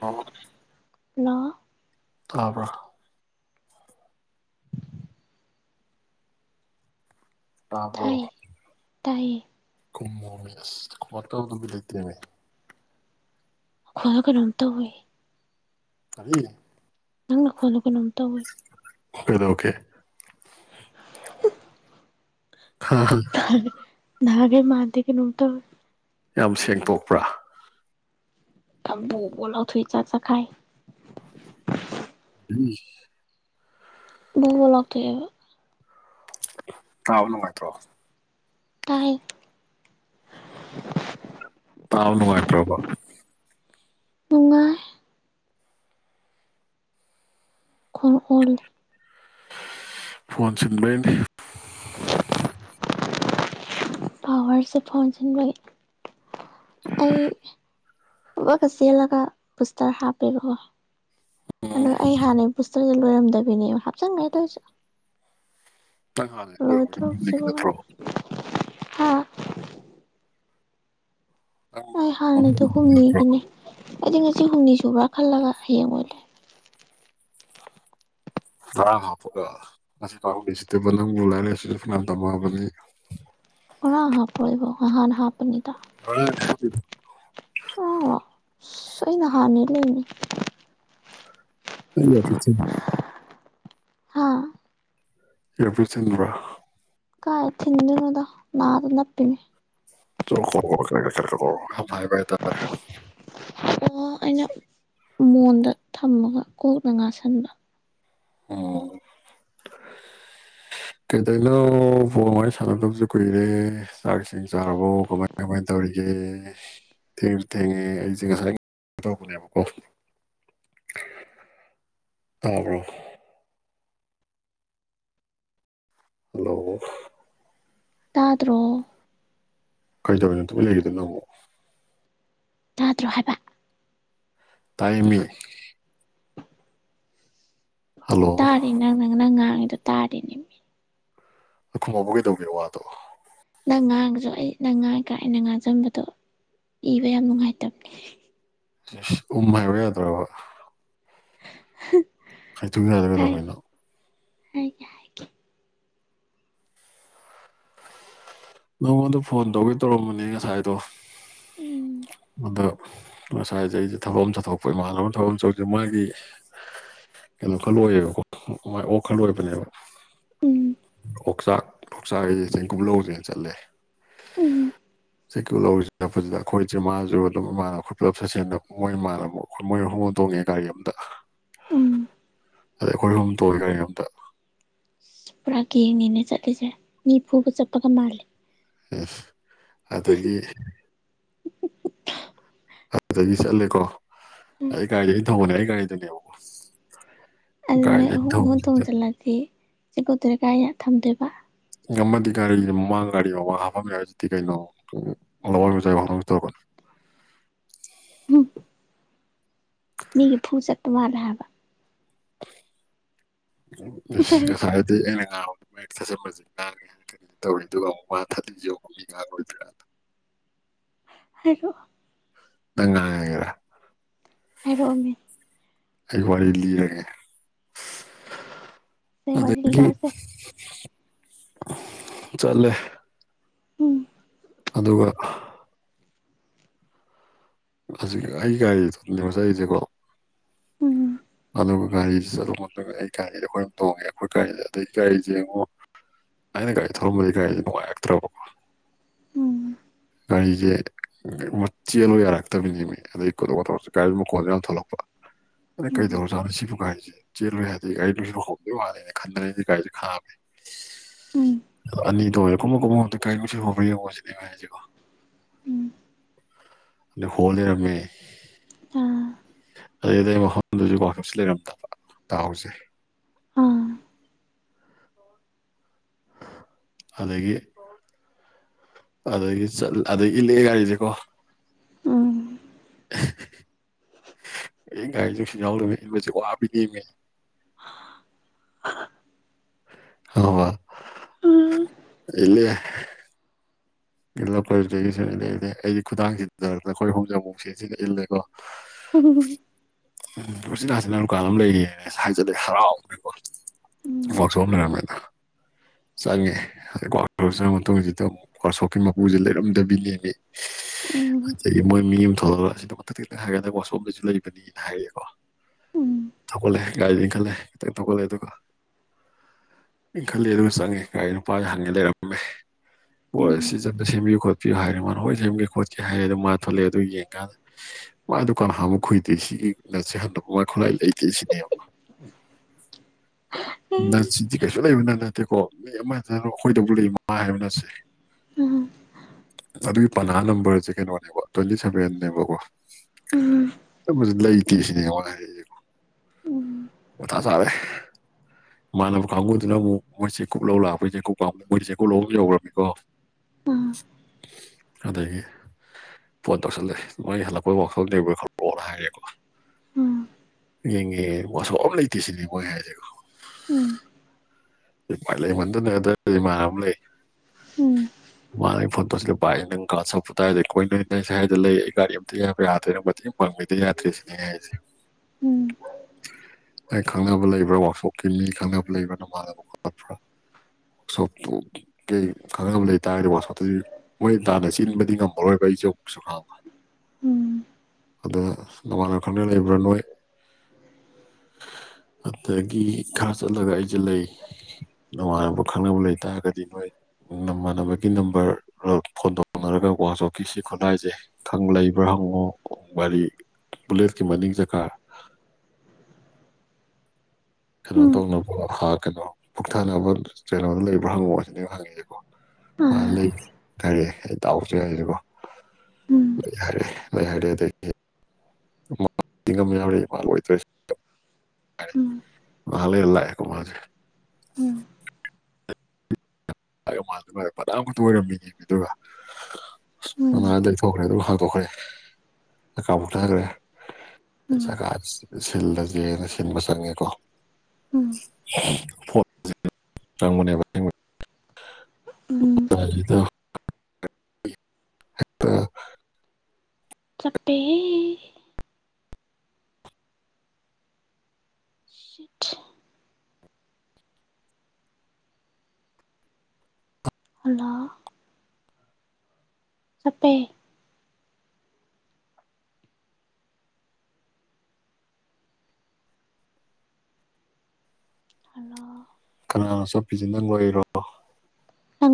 ꯑꯣ ꯍꯜꯂꯣ ꯇꯥꯕ꯭ꯔ ꯍꯩ ꯇꯥꯏꯌꯦ ꯀꯨꯝꯃꯣꯃꯤ ꯑꯁ ꯊꯕꯛ ꯇꯧꯕꯗꯥ ꯂꯩꯇꯦꯅꯦ ꯈꯣꯏꯔ ꯀꯩꯅꯣꯝ ꯇꯧꯋꯦ ꯇꯅꯦ ꯅꯪ ꯅꯥꯈꯣꯟꯗꯣ ꯀꯩꯅꯣꯝ ꯇꯧ ꯀꯩꯗꯧꯀꯦ ꯍꯥ ꯍꯝ ꯅꯥꯒꯦ ꯃꯥꯟꯗꯦ ꯀꯩꯅꯣꯝ ꯇꯧꯏ ꯌꯥꯝ ꯁꯦꯡꯇꯣꯛꯄ꯭ꯔꯥ ꯁꯝꯄꯨ ꯀꯣꯂꯥꯎꯊꯣꯏ ꯆꯥ ꯆꯈꯥꯏ ꯅꯪꯉꯦ ꯕꯨꯕꯣ ꯂꯥꯎꯊ‌ꯣꯑꯦꯕ ꯇꯥꯕ ꯅꯨꯡꯉꯥꯏꯇ꯭ꯔꯣ ꯇꯥꯏ ꯇꯥꯕ ꯅꯨꯡꯉꯥꯏꯇ꯭ꯔꯕ‌ꯣ ꯅꯨꯉꯥꯏ ꯈ‌ꯣꯟ ꯑꯣꯜ ꯐꯣꯟ ꯁꯤꯟꯕꯩꯅꯤ ꯄꯋꯥꯔꯁꯦ ꯐ‌ꯣꯟ ꯁꯤꯟꯕꯩ ꯑꯩ ꯄꯨꯕꯠꯀ ꯆꯦꯜꯂꯒ ꯕꯨꯁꯇꯔ ꯍꯥꯞꯄꯤꯔ‌ꯣꯑꯣ ꯑꯗꯣ ꯎꯝ ꯑꯩ ꯍꯥꯟꯅꯩ ꯕꯨꯁꯇꯔꯖ‌ꯦ ꯂꯣꯏꯔꯝꯗꯕꯤꯅꯦꯕ ꯍꯥꯞꯆꯤꯟꯒ꯭ꯔ‌ꯦ ꯗ‌ꯣꯏꯁꯨ ꯅꯪ ꯍꯥꯟ [unintelligible] ꯅꯠꯇ꯭ꯔꯣ ꯍ [unintelligible] ꯅꯪ ꯑꯩ ꯍꯥꯟꯅꯩꯗ‌ꯣ ꯅꯠꯇ꯭ꯔꯣ ꯍꯨꯝꯅꯤꯒꯤꯅꯦ ꯑꯩꯗꯤ ꯉꯁꯤ ꯍꯨꯝꯅꯤ ꯁꯨꯕ꯭ꯔꯥ ꯈꯜꯂꯒ ꯍꯌꯦꯡ ꯑꯣꯏꯜ ꯂꯩ ꯈꯔ ꯍꯥꯞꯄꯒ ꯑꯁꯤ [unintelligible] ꯅꯪꯕꯨ ꯂꯥꯏꯔꯤꯛ ꯂꯥꯏꯁꯨ ꯐꯅꯥꯌꯝ ꯇꯝꯃꯑꯕꯅꯤ ꯉꯔꯥꯡ ꯍꯥꯞꯄ꯭ꯔ‌ꯣꯏꯕꯣ ꯅꯍꯥꯟ ꯍꯥꯞꯄꯅꯤꯗ [inaudible] [unintelligible] ꯑꯁ ꯑꯩꯅ ꯍꯥꯟꯅꯩ ꯂꯩꯅꯤ ꯅꯪ [inaudible] ꯊꯤꯟꯕ꯭ꯔ‌ꯣ ꯍꯥꯥ ꯏꯌꯥꯔ ꯄꯤꯁ ꯊꯤꯟꯕ꯭ꯔ‌ꯣ ꯀꯥꯏ ꯊꯤꯟꯗ‌ꯣꯏꯅ‌ꯣꯗ ꯅꯥꯗ ꯅꯞꯄꯤꯅꯤ [inaudible] [unintelligible] ꯑꯣ ꯑꯩꯅ ꯃꯣꯟꯗ ꯊꯝꯃꯒ ꯀꯣꯛꯅ ꯉꯥꯁꯟꯕ ꯑꯣ ꯀꯩꯗꯧꯏꯅꯣ ꯐ‌ꯣꯟ ꯋꯥꯔꯤ ꯁꯥꯟꯅꯗꯕꯁꯨ ꯀꯨꯏꯔꯦ ꯆꯥꯛ ꯏꯁꯤꯡ ꯆꯥꯔꯕꯣ ꯀꯃꯥꯏ ꯀꯃꯥꯏꯟ ꯇꯧꯔꯤꯒꯦ ꯊꯦꯡꯖꯨ ꯊꯦꯡꯉꯦ ꯑꯩꯁꯦ ꯉꯁꯥꯏ ꯇꯧꯕꯅꯦꯕꯀꯣ ꯇꯥꯕ꯭ꯔ‌ꯣ ꯍꯜꯂꯣ ꯇꯥꯗ꯭ꯔꯣ ꯀꯩꯗꯧꯔꯤꯅ‌ꯣ ꯇꯨꯃꯤꯟ ꯂꯩꯒꯤꯗꯨꯅ ꯃꯨꯛ ꯇꯥꯗ꯭ꯔꯣ ꯍꯥꯏꯕ ꯇꯥꯏꯌ‌ꯦꯃꯤ ꯍꯜꯂꯣ ꯇꯥꯔꯤ ꯅꯪ ꯅꯪ ꯅꯪ ꯉꯥꯡꯉꯤꯗꯣ ꯇꯥꯗ‌ꯦꯅꯤꯝ ꯑ ꯈꯨꯝꯃꯛꯄ ꯀꯩꯗꯧꯒꯦ ꯋꯥꯗꯣ ꯅꯪ ꯉꯥꯡꯉꯁꯨ ꯑꯩ ꯅꯪ ꯉꯥꯡꯉꯤꯀꯥꯟ ꯑꯩꯅ ꯉꯥꯡꯖꯟꯕꯗꯣ ꯏꯕ ꯌꯥꯝ ꯅꯨꯡꯉꯥꯏꯇꯝ ꯏꯁ ꯎꯝ ꯍꯥꯏꯕ ꯌꯥꯗ꯭ꯔꯕ ꯍꯥ ꯈꯥꯏꯊꯣꯛ ꯌꯥ [unintelligible] ꯀꯩꯗꯧꯕꯩꯅ‌ꯣ ꯍꯥꯏꯒ‌ꯦ ꯍꯥꯏꯒꯦ ꯅꯪꯉꯣꯟꯗ ꯐꯣꯟ ꯇꯧꯒꯦ ꯇꯧꯔꯝꯕꯅꯤ ꯉꯁꯥꯏꯗꯣ ꯎꯝ ꯑꯗ ꯉꯁꯥꯏꯖ‌ꯦ ꯑꯩꯁꯦ ꯊꯕꯛ ꯑꯝ ꯆꯠꯊꯣꯛꯄ ꯏꯃꯥꯟꯅꯕꯝ ꯊꯕꯛ ꯑꯝ ꯆꯧꯖ‌ꯦ ꯃꯥꯒꯤ ꯀꯩꯅꯣ ꯈꯔ ꯂꯣꯏꯌꯦꯕꯀꯣ ꯃꯥꯏ ꯑꯣꯛ ꯈꯔ ꯈꯜꯂꯣꯏꯕꯅꯦꯕ ꯎꯝ ꯑꯣꯛꯆꯥꯛ ꯑꯣꯛꯆꯥꯛ [unintelligible] ꯆꯠꯂꯦ ꯎꯝ [unintelligible] ꯑꯩꯈꯣꯏꯁꯦ ꯃꯥꯥꯁꯨ ꯑꯗꯨꯝꯃꯥꯅ ꯑꯩꯈꯣꯏ ꯄꯨꯂꯞ ꯁꯥꯠꯁꯦꯟꯗ ꯃꯣꯏ ꯏꯃꯥꯅ ꯑꯃꯨꯛ ꯑꯩꯈꯣꯏ ꯃꯣꯏꯑꯍꯨꯝ ꯑꯃ ꯇꯣꯡꯉꯛꯑꯦ ꯒꯥꯔꯤ ꯑꯝꯗ ꯎꯝ ꯑꯗꯩ ꯑꯩꯈꯣꯏ ꯑꯍꯨꯝ ꯇꯣꯡꯉꯦ ꯒꯥꯔꯤ ꯑꯃꯗ ꯑꯁ ꯄꯨꯔꯥꯒꯦꯡꯅꯤꯅꯦ ꯆꯠꯂꯤꯁꯦ ꯃꯤꯐꯨꯕ ꯆꯠꯄꯒ ꯃꯥꯜꯂꯦ ꯑꯗꯒꯤ ꯑꯗꯨꯗꯒꯤ ꯆꯠꯂꯦꯀꯣ ꯑꯩ ꯒꯥꯔꯤ ꯑꯩꯅ ꯊꯧꯕꯅꯦ ꯑꯩ ꯒꯥꯔꯤꯗꯅꯦꯕꯀꯣ ꯑꯗꯨꯅꯦ ꯒꯥꯔꯤꯗ ꯑꯩꯅ ꯑꯍꯨꯝ ꯑꯍꯨꯝ ꯊꯧꯕꯁꯤꯗ ꯊꯣꯡꯁꯤꯜꯂꯗꯤ ꯆꯦꯡꯀꯨꯞꯇꯨꯗꯤ ꯀꯥꯏ ꯊꯝꯗꯣꯏꯕꯥ ꯑꯃꯗꯤ ꯒꯥꯔꯤ ꯃꯃꯥꯡ ꯒꯥꯔꯤ ꯃꯃꯥꯡ ꯍꯥꯞꯐꯝ ꯌꯥꯎꯔꯤꯗꯨꯗꯤ ꯀꯩꯅꯣ ꯂꯋꯥꯏ ꯃꯆꯥꯥꯒꯤ ꯍꯧꯅꯕꯤꯗꯨ ꯇꯧꯔꯛꯀꯅꯣ ꯃꯤꯒ ꯐꯨ ꯆꯠꯄ ꯃꯥꯜꯂꯦ ꯍꯥꯏꯕ ꯏꯁ ꯍꯥꯏꯔꯛꯑꯣ ꯉꯁꯥꯏꯗꯤ ꯑꯩꯅ ꯉꯥꯡꯕꯗ [unintelligible] ꯀꯔꯤ ꯇꯧꯔꯤꯗꯨꯕꯨ ꯃꯥ [unintelligible] ꯍꯥꯏꯔꯛꯑꯣ ꯅꯪ ꯉꯥꯡꯉꯒꯦꯔꯥ ꯍꯥꯏꯔꯛꯑꯣꯃꯤ ꯑꯩ ꯋꯥꯔꯤ ꯂꯤꯔꯒꯦ ꯀꯩ ꯋꯥꯔꯤ ꯑꯗꯒꯤ ꯂꯤꯔꯛꯎꯁꯦ ꯆꯠꯂꯦ ꯎꯝ ꯑꯗꯨꯒ ꯑꯩ ꯒꯥꯔꯤ ꯃꯊꯟꯗꯅꯦꯕ ꯆꯠꯂꯤꯁꯦꯀꯣ ꯎꯝ ꯑꯗꯨꯒ ꯒꯥꯔꯤꯁꯤ ꯆꯠꯂꯣ ꯈꯣꯠꯂꯒ ꯑꯩ ꯒꯥꯔꯤꯗ ꯑꯩꯈꯣꯏ ꯑꯍꯨꯝ ꯇꯣꯡꯉꯦ ꯑꯩꯈꯣꯏ ꯒꯥꯔꯤꯗ ꯑꯗꯩ ꯒꯥꯔꯤꯁꯦ ꯌꯦꯡꯉꯣ ꯑꯩꯅ ꯒꯥꯔꯤ ꯊꯧꯔꯝꯕꯗꯤ ꯒꯥꯔꯤꯁꯦ ꯅꯨꯡꯉꯥꯏꯔꯛꯇ꯭ꯔꯕꯀꯣ ꯎꯝ ꯒꯥꯔꯤꯁꯦ ꯆꯦꯜꯂꯣ ꯌꯥꯔꯛꯇꯕꯤꯅꯦꯃꯤ ꯑꯗꯒ ꯀꯣꯊꯣꯛ ꯀꯣꯊꯣꯛ ꯒꯥꯔꯤ ꯃꯈꯣꯟꯁꯨ ꯌꯥꯝ ꯊꯣꯛꯂꯛꯄ ꯑꯗ ꯎꯝ ꯀꯩꯗꯧꯔꯖꯥꯠꯅꯣ ꯁꯤꯕꯨ ꯒꯥꯔꯤꯁꯦ ꯆꯦꯜꯂꯨ ꯌꯥꯗ꯭ꯔꯦ [unintelligible] ꯍꯧꯔꯝꯗꯣꯏ ꯃꯥꯜꯂꯦ ꯈꯟꯂꯒ ꯑꯩꯁꯦ ꯒꯥꯥꯔꯤꯁꯦ ꯈꯥꯝꯃꯦ ꯎꯝ ꯑꯅꯤꯗꯣ ꯀꯨꯝꯃꯣ ꯀꯨꯝꯃꯣ ꯀꯔꯤꯅꯣ ꯁꯤꯕꯣ ꯌꯦꯡꯉꯣ ꯁꯤꯅꯦ ꯃꯥꯅ ꯍꯥꯏꯁꯤꯀꯣ ꯎꯝ ꯑꯗ ꯍꯣ ꯂꯔꯝꯃꯦ ꯑꯥ ꯑꯗꯨꯗꯩ ꯑꯗꯩ ꯃꯐꯝꯗꯨꯁꯨ ꯋꯥꯛꯁꯣꯞꯁꯨ ꯂꯩꯔꯝꯗꯕ ꯗꯥꯎꯁꯦ ꯑꯥ ꯑꯗꯒꯤ ꯑꯗꯒꯤ ꯆꯠ ꯑꯗꯗꯒꯤ ꯏꯜꯂꯛꯑꯦ ꯒꯥꯔꯤꯁꯦ ꯀꯣ ꯎꯝ ꯑꯗꯩ ꯒꯥꯔꯤꯁꯦ ꯅꯨꯡꯁꯤꯠ ꯌꯥꯎꯗꯕꯩ ꯏꯟꯕꯁꯦ ꯋꯥꯕꯤꯅꯦꯃꯤ ꯑꯗꯨꯒ ꯎꯝ [unintelligible] ꯏꯜꯂꯛꯑꯦ ꯏꯜꯂꯛꯑꯦ ꯑꯩꯁꯦ ꯈꯨꯗꯥꯡꯁꯤꯗꯔꯛꯇꯅꯀꯣ ꯑꯩꯈꯣꯏ ꯑꯍꯨꯝꯁꯦ ꯑꯃꯨꯛ ꯁꯤꯜꯂ ꯁꯤꯜꯂ ꯏꯜꯂꯦꯀꯣ ꯍꯝ ꯎꯆꯤꯟ ꯅꯥꯆꯤꯟꯅ ꯗꯨꯀꯥꯟ ꯑꯃ ꯂꯩꯔꯦꯅꯥ ꯍꯥꯏꯖꯟꯂꯛꯑꯦ ꯍꯔꯥꯎꯗꯅꯀꯣ ꯋꯥꯛꯁꯣꯞ ꯂꯩꯔꯝꯃꯦꯗ ꯆꯪꯉꯦ ꯋꯥꯛꯁꯣꯞ ꯆꯪꯉ ꯃꯇꯨꯡꯁꯤꯗ ꯋꯥꯛꯁꯣꯞꯀꯤ ꯃꯄꯨꯁꯦ ꯂꯩꯔꯝꯗꯕꯤꯅꯦꯃꯤ ꯎꯝ ꯑꯗꯒꯤ ꯃꯣꯏ ꯃꯤ ꯑꯃ ꯊꯣꯛꯂꯛꯑꯒ ꯑꯁꯤꯗ ꯃꯊꯛꯇ ꯈꯤꯇꯪ ꯍꯥꯏꯒꯠꯂꯒ ꯋꯥꯛꯁꯣꯞ ꯑꯝꯁꯨ ꯂꯩꯕꯅꯤ ꯍꯥꯏꯔꯒꯦꯀꯣ ꯎꯝ ꯊꯧꯒꯠꯂꯦ ꯒꯥꯔꯤꯗꯨ ꯏꯟ ꯈꯜꯂꯦ ꯈꯤꯇꯪ ꯊꯧꯒꯠꯂꯦ ꯑꯗꯨꯒ ꯏꯟꯈꯠꯂꯦ ꯑꯗꯨꯒ ꯆꯪꯉꯦ ꯒꯥꯔꯤ ꯅꯨꯄꯥꯗ ꯍꯪꯉꯦ ꯂꯩꯔꯝꯃꯦ ꯎꯝ ꯕ꯭ꯔꯣ ꯎꯝ ꯎꯝ ꯑꯁꯤꯁꯤ ꯑꯝꯇ ꯁꯦꯝꯕꯤꯌꯨ ꯈꯣꯠ ꯄꯤꯌꯨ ꯍꯥꯏꯔꯦ ꯃꯥꯅ ꯍꯣꯏ ꯌꯦꯡꯒꯦ ꯈꯣꯠꯀꯦ ꯍꯥꯏꯔꯦ ꯑꯗꯨ ꯃꯥ ꯊꯣꯛꯂꯛꯑꯦ ꯑꯗꯨ ꯌꯦꯡꯀꯥꯟꯗ ꯃꯥ ꯗꯨꯀꯥꯟ ꯍꯥꯡꯕ ꯀꯨꯏꯗꯦ ꯁꯤ [unintelligible] ꯍꯟꯗꯣꯛ ꯃꯥ ꯈꯨꯠꯂꯥꯏ ꯂꯩꯇꯦꯁꯤꯅꯦ ꯑꯥ ꯑꯥ ꯅꯠꯁꯤꯗꯤ ꯀꯩꯁꯨ ꯂꯩꯕꯅ ꯅꯠ ꯅꯠꯇꯦꯀꯣ ꯃꯤ ꯑꯃꯗ ꯑꯩꯈꯣꯏꯗꯧꯕ ꯂꯩ ꯃꯥ ꯍꯥꯏꯕ ꯅꯠꯁꯦ ꯑꯗꯨꯏ ꯄꯥꯅꯥ ꯅꯝꯕꯔꯁꯦ ꯀꯩꯅꯣꯅꯦꯕ ꯇ꯭ꯋꯦꯟꯇꯤ ꯁꯚꯦꯟ ꯅꯦꯕꯀꯣ [unintelligible] ꯂꯩꯇꯦ ꯁꯤꯅꯦ ꯃꯅꯥ ꯍꯥꯏꯁꯤ ꯃꯊꯥ ꯁꯥꯔꯦ ꯃꯥꯟꯅꯕ ꯀꯥꯡꯕꯨꯗꯨꯅ ꯑꯃꯨꯛ ꯃꯣꯏ ꯆꯦꯡ ꯀꯨꯞ ꯂꯧ ꯂꯥꯛꯄꯩ ꯆꯦꯡ ꯀꯨꯞ ꯀꯥꯡꯕꯨ ꯃꯣꯏꯗꯤ ꯆꯦꯡ ꯀꯨꯞ ꯂꯧ ꯂꯩꯍꯧꯔꯝꯅꯤꯀꯣ ꯑꯥ ꯑꯗꯒꯤ ꯐꯣꯟ ꯇꯧꯁꯜꯂꯛꯦ ꯃꯣꯏ ꯍꯜꯂꯛꯄꯩ ꯋꯥꯛꯁꯣꯞ ꯂꯩꯕ꯭ꯔꯣ ꯈꯣꯠꯄ꯭ꯔꯣ ꯍꯥꯏꯔꯦꯀꯣ ꯎꯝ ꯌꯦꯡꯉꯦ ꯋꯥꯁꯣꯛꯞ ꯑꯝ ꯂꯩꯇꯦ ꯁꯤꯅꯤ ꯃꯣꯏ ꯍꯥꯏꯁꯤꯀꯣ ꯎꯝ ꯎꯄꯥꯏ ꯂꯩꯃꯟꯗꯅ ꯑꯗꯩ ꯏꯃꯥꯟꯅꯕ ꯑꯃ ꯂꯩ ꯎꯝ ꯃꯥꯅ ꯐꯣꯟ ꯇꯧꯁꯤꯒꯦ ꯄꯥꯏ ꯑꯩ ꯅꯪꯒ ꯀꯗꯥꯏ ꯂꯩ ꯑꯈꯣꯏ ꯅꯣꯏ ꯁ꯭ꯋꯥꯏꯗ ꯂꯩ ꯒꯥꯔꯤ ꯑꯝꯇ ꯌꯥꯗ꯭ꯔꯦ ꯃꯇꯦꯡ ꯄꯥꯡꯕꯤꯗ ꯌꯥꯗ꯭ꯔꯦ ꯁꯤꯅꯤ ꯑꯩꯅ ꯍꯥꯏꯁꯦ ꯎꯝ ꯑꯩ ꯈꯪꯅꯕ ꯂꯩꯕ꯭ꯔꯥ ꯋꯥꯛꯁꯣꯞꯀꯤ ꯃꯤ ꯈꯪꯅꯕ ꯂꯩꯕ꯭ꯔ ꯅꯃꯥꯟꯅꯕ ꯁꯣꯞꯇꯨ ꯈꯪꯅꯕ ꯂꯩꯇꯥꯥꯔꯗꯤ ꯋꯥꯛꯁꯣꯞꯇꯨꯒꯤ ꯃꯣꯏ ꯇꯥꯟꯅ ꯆꯦꯟꯕꯗꯤ ꯉꯝꯃꯔꯣꯏꯕ ꯑꯩꯁꯨ [unintelligible] ꯎꯝ ꯑꯗꯥ ꯅꯃꯥꯟꯅ ꯈꯪꯅ ꯂꯩꯕ꯭ꯔꯥ ꯅꯣꯏ ꯑꯗꯥꯒꯤ ꯈꯔ ꯆꯠꯂꯒ ꯑꯩꯁꯦ ꯂꯩ ꯅꯨꯃꯥꯟꯅꯕ ꯈꯪꯅꯕ ꯂꯩꯇꯥꯥꯔꯒꯗꯤ ꯅꯣꯏ ꯅꯃꯥꯟꯅꯕꯒꯤ ꯅꯝꯕꯔ ꯐꯣꯟ ꯇꯧꯅꯔꯒ ꯀꯣ ꯋꯥꯛꯁꯣꯞꯀꯤ ꯁꯤ ꯈꯨꯠꯂꯥꯏꯖꯦ ꯈꯪ ꯂꯩꯕ꯭ꯔꯥ ꯍꯪꯉꯣ ꯒꯥꯔꯤ ꯕꯨꯂꯦꯠꯀꯤ ꯃꯅꯤꯡ ꯆꯀꯥ ꯀꯩꯅꯣ ꯇꯧꯅꯕ ꯍꯥ ꯀꯩꯅꯣ ꯄꯨꯛꯊꯅꯕ ꯀꯩꯅꯣꯗꯨ ꯂꯩꯕ꯭ꯔꯥ ꯍꯪꯉꯛꯑꯣ ꯁꯤꯅꯦꯕ ꯑꯩꯅ ꯍꯪꯉꯤꯁꯦꯀꯣ ꯃꯥ ꯑꯥ ꯂꯩ ꯀꯔꯤ ꯏꯇꯥꯎ ꯎꯝ [unintelligible] ꯎꯝ ꯂꯩ ꯍꯥꯏꯔꯦ ꯂꯩ ꯍꯥꯏꯔꯦ ꯑꯗꯩꯗꯤ [unintelligible] ꯌꯥꯎꯔꯤ [unintelligible] ꯎꯝ ꯉꯍꯥꯛ ꯂꯩꯔ ꯂꯥꯛꯑꯦꯀꯣ ꯃꯥꯁꯦ ꯎꯝ [unintelligible] ꯂꯨꯄꯥ ꯇꯔꯥ ꯀꯨꯟꯈꯛꯇ ꯑꯣꯏꯔꯝꯃꯤꯅꯦꯃꯤ ꯑꯗꯨꯒ ꯃꯅꯥ ꯂꯩꯊꯣꯛꯈ꯭ꯔꯦ ꯑꯗꯨꯒ ꯍꯥꯡꯇꯣꯛꯈ꯭ꯔꯦ ꯆꯀꯥ ꯃꯨꯊꯈ꯭ꯔꯦ ꯎꯝ ꯎꯝ ꯆꯀꯥ ꯁꯤꯜꯂꯁꯦꯅ ꯁꯤꯟꯕ ꯆꯪꯉꯦꯀꯣ ꯎꯝ ꯐꯣꯠ [unintelligible] ꯆꯪꯕꯅꯦꯕ ꯑꯁꯦꯡꯕ ꯎꯝ [unintelligible] ꯑꯥ ꯆꯞꯄꯦ [unintelligible] ꯅꯥ ꯆꯞꯄꯦ ꯍꯜꯂꯣ ꯀꯅꯥ [unintelligible] ꯅꯪ